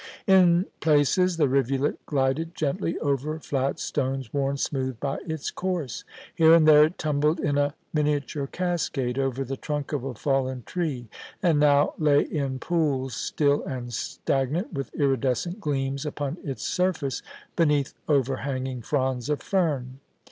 In places the rivulet glided gently over flat stones worn smooth by its course ; here and there it tumbled in a minia ture cascade over the trunk of a fallen tree, and now lay in pools still and stagnant, with iridescent gleams upon its sur face, beneath overhanging fronds of fern.